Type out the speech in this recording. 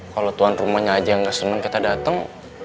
kalo tuan rumahnya aja gak seneng kita dateng